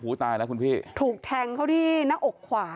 ตายแล้วคุณพี่ถูกแทงเขาที่หน้าอกขวา